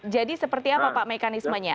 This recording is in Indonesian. jadi seperti apa pak mekanismenya